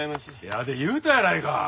やで言うたやないか。